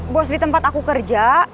bos di tempat aku kerja